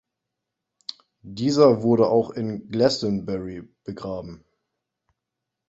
Dieser wurde auch in Glastonbury begraben.